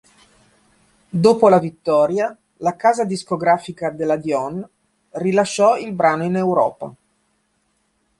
Dopo la vittoria, la casa discografica della Dion rilasciò il brano in Europa.